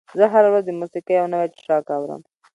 زه هره ورځ د موسیقۍ یو نوی ټراک اورم.